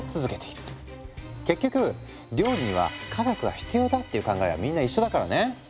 結局料理には科学が必要だっていう考えはみんな一緒だからね。